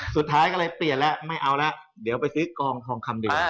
สุดท้ายก็เลยเปลี่ยนแล้วไม่เอาแล้วเดี๋ยวไปซื้อกองทองคำเดียว